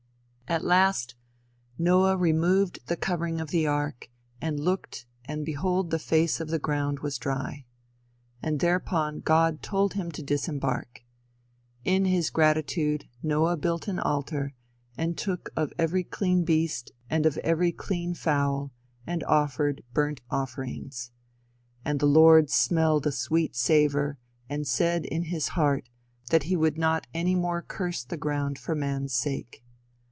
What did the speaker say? At last Noah "removed the covering of the ark, and looked and behold the face of the ground was dry," and thereupon God told him to disembark. In his gratitude Noah built an altar and took of every clean beast and of every clean fowl, and offered "burnt offerings". And the Lord smelled a sweet savor and said in his heart that he would not any more curse the ground for man's sake.